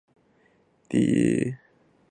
他们建立了一个给人印象深刻的商业帝国。